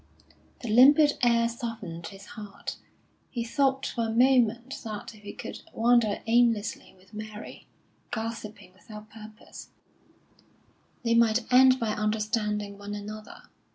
The limpid air softened his heart; he thought for a moment that if he could wander aimlessly with Mary, gossiping without purpose, they might end by understanding one another.